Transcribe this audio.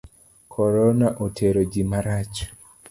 Korona otero ji marach.